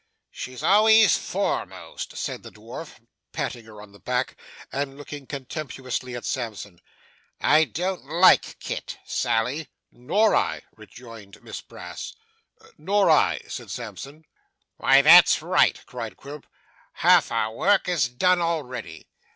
'She's always foremost!' said the dwarf, patting her on the back and looking contemptuously at Sampson. 'I don't like Kit, Sally.' 'Nor I,' rejoined Miss Brass. 'Nor I,' said Sampson. 'Why, that's right!' cried Quilp. 'Half our work is done already.